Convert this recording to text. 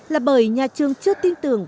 là bởi nhà trường chưa tin tưởng